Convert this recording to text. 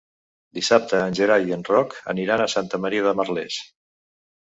Dissabte en Gerai i en Roc aniran a Santa Maria de Merlès.